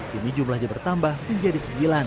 kini jumlahnya bertambah menjadi sembilan